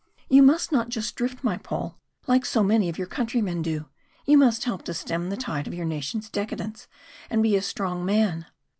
"You must not just drift, my Paul, like so many of your countrymen do. You must help to stem the tide of your nation's decadence, and be a strong man.